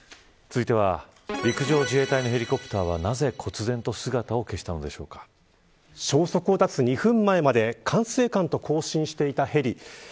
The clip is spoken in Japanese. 続いては陸上自衛隊のヘリコプターがなぜ、こつぜんと姿を消したのでしょうか消息を絶つ２分前まで管制官と交信していたヘリ。